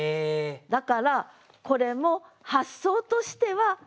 だからこれも発想としてはある。